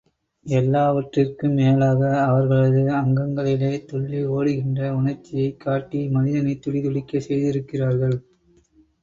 எல்லாவற்றிற்கும் மேலாக அவர்களது அங்கங்களிலே துள்ளி ஓடுகின்ற உணர்ச்சியைக் காட்டி மனிதனைத் துடிதுடிக்கச் செய்திருக்கிறார்கள்.